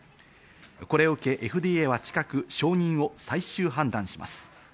これを受けＦＤＡは近く承認を最終判断します。